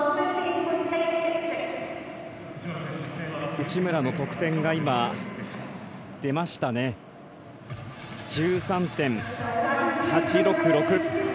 内村の得点が出ましたね。１３．８６６。